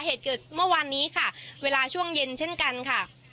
เหตุเกิดเมื่อวานนี้ค่ะเวลาช่วงเย็นเช่นกันค่ะ